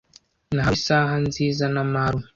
Nahawe isaha nziza na marume.